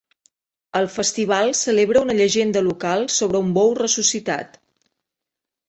El festival celebra una llegenda local sobre un bou ressuscitat.